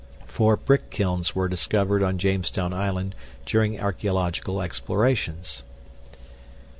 Four brick kilns were discovered on Jamestown Island during archeological explorations.